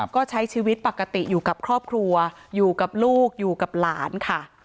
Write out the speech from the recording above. ก็ใช้ชีวิตปกติอยู่กับครอบครัวอยู่กับลูกอยู่กับหลานค่ะ